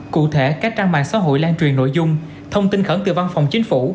cụ thể các trang mạng xã hội lan truyền nội dung thông tin khẩn từ văn phòng chính phủ